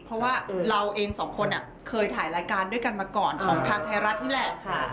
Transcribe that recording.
เพราะว่าเราเองสองคนเคยถ่ายรายการด้วยกันมาก่อนของทางไทยรัฐนี่แหละ